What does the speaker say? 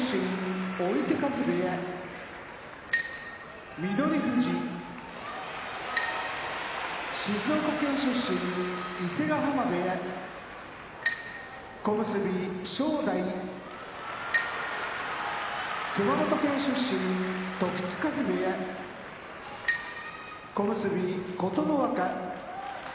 追手風部屋翠富士静岡県出身伊勢ヶ濱部屋小結・正代熊本県出身時津風部屋小結・琴ノ若